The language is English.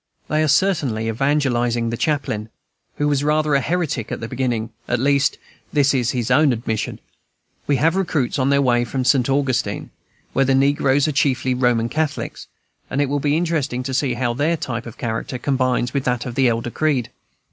They are certainly evangelizing the chaplain, who was rather a heretic at the beginning; at least, this is his own admission. We have recruits on their way from St. Augustine, where the negroes are chiefly Roman Catholics; and it will be interesting to see how their type of character combines with that elder creed.